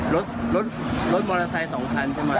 รถรถมอเตอร์ไซค์๒คันใช่ไหม